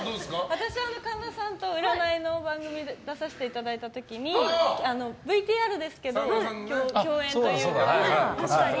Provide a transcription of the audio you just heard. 私は神田さんと占いの番組に出させていただいた時にＶＴＲですけど共演というか。